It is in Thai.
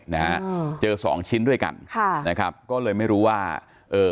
นะฮะอืมเจอสองชิ้นด้วยกันค่ะนะครับก็เลยไม่รู้ว่าเอ่อ